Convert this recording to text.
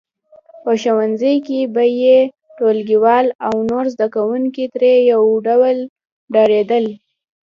په ښوونځي کې به یې ټولګیوال او نور زده کوونکي ترې یو ډول ډارېدل